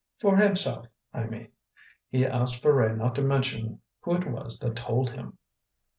"For himself, I mean. He asked Ferret not to mention who it was that told him."